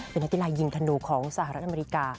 เป็นนักกีฬายิงธนูของสหรัฐอเมริกา